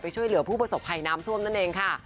ช่วยเหลือผู้ประสบภัยน้ำท่วมนั่นเองค่ะ